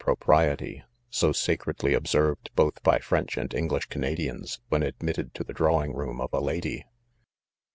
prof kie^JgLea 3£ idoiiei:, credly observed both by French and' English Canadians, when admitted to the drawing room of a lady.